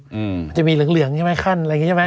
มันจะมีเหลืองเหลืองใช่ไหมขั้นอะไรอย่างงี้ใช่ไหม